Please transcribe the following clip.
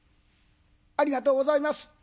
「ありがとうございます。